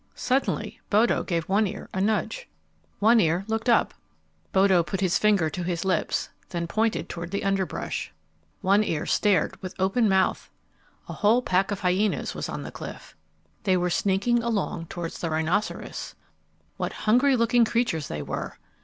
Suddenly Bodo gave One Ear a nudge. One Ear looked up. Bodo put his finger on his lips, then pointed toward the underbrush. One Ear stared with open mouth. A whole pack of hyenas was on the cliff. They were sneaking along toward the rhinoceros. What hungry looking creatures they were!